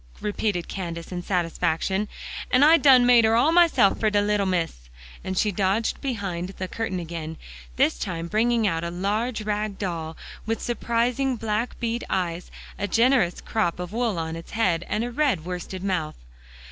repeated Candace in satisfaction, "an' I done made her all myself fer de little Miss," and she dodged behind the curtain again, this time bringing out a large rag doll with surprising black bead eyes, a generous crop of wool on its head, and a red worsted mouth.